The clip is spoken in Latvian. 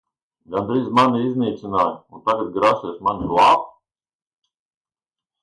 Gandrīz mani iznīcināji un tagad grasies mani glābt?